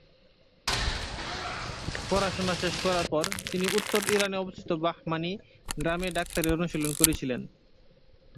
পড়াশোনা শেষ করার পর, তিনি উত্তর ইরানে অবস্থিত বাহমানি গ্রামে ডাক্তারি অনুশীলন করেছিলেন।